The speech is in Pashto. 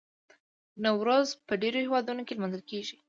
نوروز په ډیرو هیوادونو کې لمانځل کیږي.